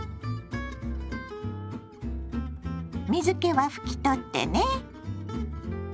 水けは拭き取ってね。